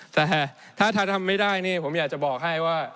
แต่ถ้าทำไม่ได้นี่ผมอยากจะบอกให้ว่า